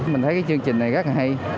mình thấy chương trình này rất hay